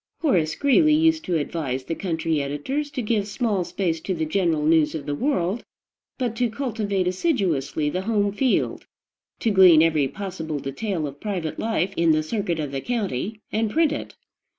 Horace Greeley used to advise the country editors to give small space to the general news of the world, but to cultivate assiduously the home field, to glean every possible detail of private life in the circuit of the county, and print it.